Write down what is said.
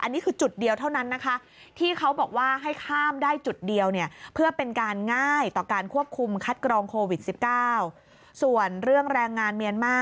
อันนี้คือจุดเดียวเท่านั้นนะคะ